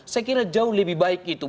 saya kira jauh lebih baik itu